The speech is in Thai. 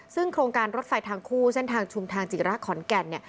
ซึ่งโครงการรถไฟทางคู่เส้นทางชุมทางจิระขอนแก่นเนี่ย